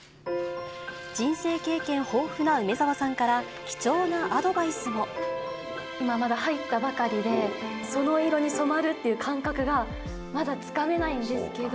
人生経験豊富な梅沢さんから、今、まだ入ったばかりで、その色に染まるっていう感覚がまだつかめないんですけど。